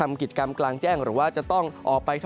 ในภาคฝั่งอันดามันนะครับ